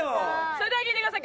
それでは聴いてください。